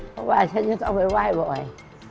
เพราะว่าฉันจะต้องไปไหว้บ่อย